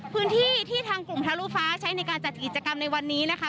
พื้นที่ที่ทางกลุ่มทะลุฟ้าใช้ในการจัดกิจกรรมในวันนี้นะคะ